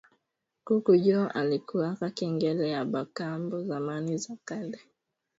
Kuku njo alikuwaka kengele ya ba kambo zamani za kale